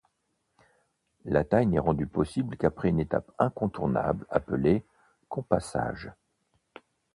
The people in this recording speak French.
La taille n’est rendue possible qu’après une étape incontournable appelée compassage.